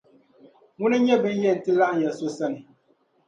Ŋuna n-nyɛ bɛ ni yɛn ti laɣim ya So sani.